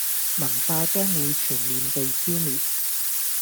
文化將會全面被消滅